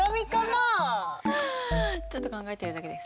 ちょっと考えてるだけです。